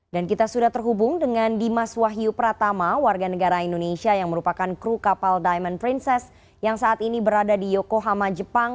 dan kita sudah terhubung dengan dimas wahyu pratama warga negara indonesia yang merupakan kru kapal diamond princess yang saat ini berada di yokohama jepang